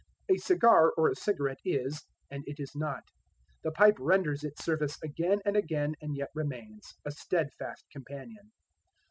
A cigar or a cigarette is and it is not; the pipe renders its service again and again and yet remains a steadfast companion.